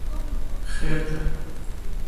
Хъеркӏэ!